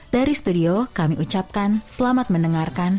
dari studio kami ucapkan selamat mendengarkan